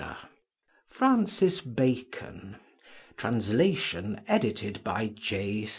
FRANCIS BACON TRANSLATION EDITED BY J.